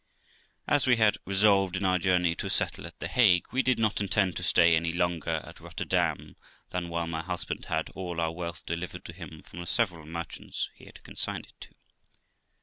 As we had resolved in our journey to settle at the Hague, we did not intend to stay any longer at Rotterdam than while my husband had all our wealth delivered to him from the several merchants he had consigned it to.